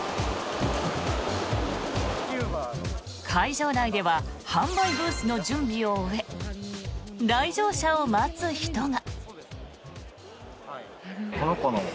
会場内では販売ブースの準備を終え来場者を待つ人が。